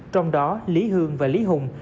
trong đó lý hương và lý hùng